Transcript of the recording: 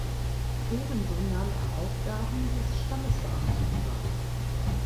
Ebenso nahm er Aufgaben des Standesbeamten wahr.